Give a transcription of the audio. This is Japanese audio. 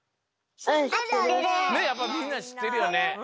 やっぱりみんなしってるよね。